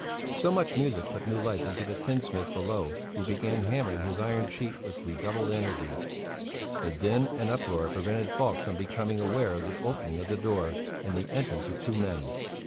So much music put new life into the tinsmith below, who began hammering his iron sheet with redoubled energy. The din and uproar prevented Falk from becoming aware of the opening of the door and the entrance of two men.